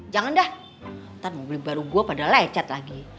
jangan dah ntar mobil baru gue padahal lecet lagi